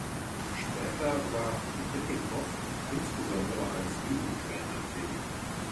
Später war Vittinghoff insbesondere als Jugendtrainer tätig.